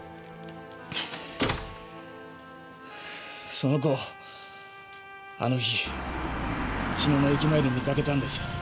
その子をあの日茅野の駅前で見かけたんです。